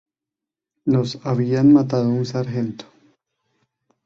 Nos habían matado un Sargento.